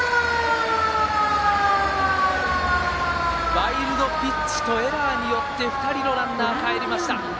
ワイルドピッチとエラーによって２人のランナー、かえりました。